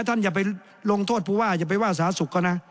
อย่าไปลงโทษผู้ว่าอย่าไปว่าสาธารณสุขเขานะ